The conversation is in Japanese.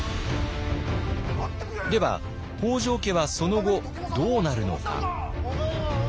では北条家はその後どうなるのか。